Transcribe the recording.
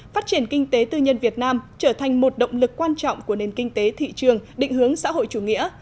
phát triển kinh tế tư nhân việt nam trở thành một động lực quan trọng của nền kinh tế thị trường định hướng xã hội chủ nghĩa